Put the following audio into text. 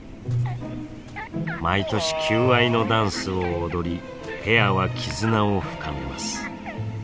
毎年求愛のダンスを踊りペアは絆を深めます。